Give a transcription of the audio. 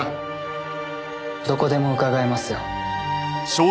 どこでもうかがいますよ。